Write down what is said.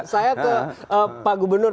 saya ke pak gubernur